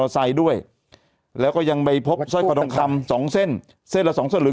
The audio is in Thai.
ลอร์ไซค์ด้วยแล้วก็ยังไม่พบซ่อยสองเส้นเส้นละสองเส้นหรือ